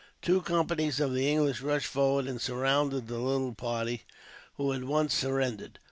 Two companies of the English rushed forward and surrounded the little party, who at once surrendered.